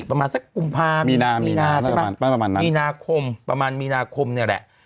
ประมาณสักกุมภามีนาคมประมาณมีนาคมนี่แหละ